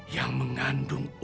yang mengandung kita